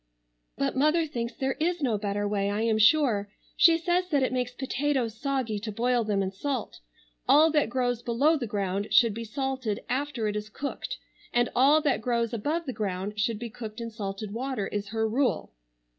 "But mother thinks there is no better way I am sure. She says that it makes potatoes soggy to boil them in salt. All that grows below the ground should be salted after it is cooked and all that grows above the ground should be cooked in salted water, is her rule."